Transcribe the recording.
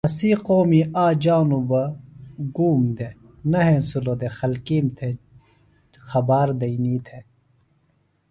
ایسےۡ موقئی آک جانوۡ بہ اسام دی گُوم دےۡ نہ ہینسِلوۡ دےۡ خلکیم تھےۡ خبار دئنی تھےۡ